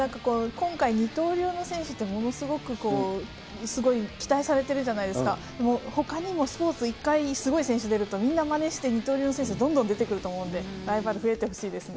今回、二刀流の選手ってものすごく期待されてるじゃないですか、ほかにもスポーツ、１回すごい選手出ると、みんなまねして二刀流の選手、どんどん出てくると思うので、ライバル増えてほしいですね。